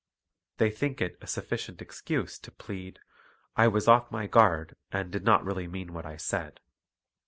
They think it a sufficient excuse to plead, " I was off my guard, and did not really mean what I said."